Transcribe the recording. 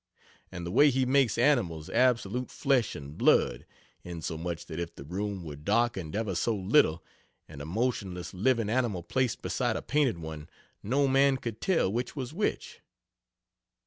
And the way he makes animals absolute flesh and blood insomuch that if the room were darkened ever so little and a motionless living animal placed beside a painted one, no man could tell which was which.